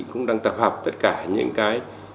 cũng đang tập hợp tất cả những cái